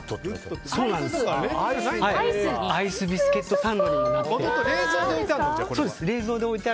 アイスビスケットサンドにもなって。